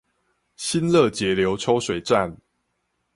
新樂截流抽水站